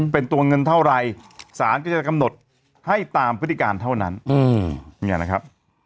เป็นตัวเงินเท่าไรศาลก็จะกำหนดให้ตามพฤติการเท่านั้นเนี่ยนะครับ